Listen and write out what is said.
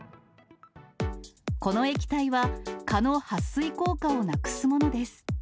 この液体は、蚊のはっ水効果をなくすものです。